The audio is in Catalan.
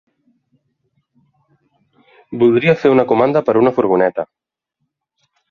Voldria fer una comanda per una furgoneta.